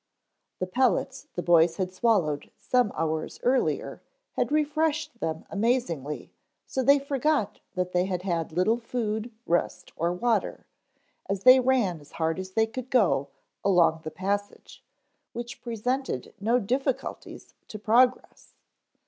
The pellets the boys had swallowed some hours earlier had refreshed them amazingly so they forgot that they had had little food, rest or water, as they ran as hard as they could go along the passage, which presented no difficulties to progress.